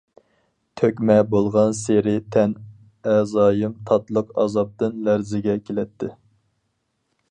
تۆكمە بولغانسېرى تەن ئەزايىم تاتلىق ئازابتىن لەرزىگە كېلەتتى.